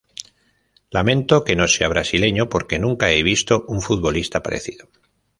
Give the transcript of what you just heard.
Lamento que no sea brasileño porque nunca he visto un futbolista parecido"".